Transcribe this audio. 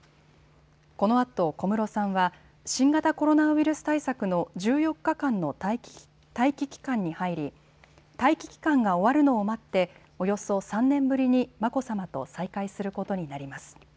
このあと小室さんは新型コロナウイルス対策の１４日間の待機期間に入り待機期間が終わるのを待っておよそ３年ぶりに眞子さまと再会することになります。